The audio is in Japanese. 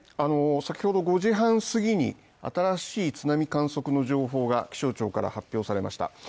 先ほど５時半過ぎに、新しい津波観測の情報が気象庁から発表されました。